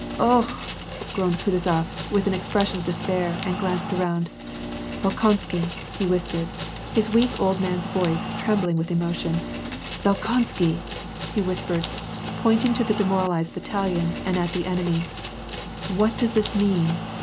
" 0 o o okh !" groaned Kutuzof, with an expression of de spair, and glanced around. " Bolkonsky," he whispered, his weak old man's voice trembling with emotion, " Bolkonsky !" he whispered, pointing to the demoralized battalion and at the enemy, " What does this mean